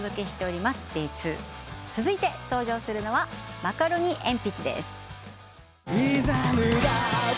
続いて登場するのはマカロニえんぴつです。